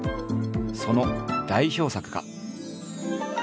その代表作が。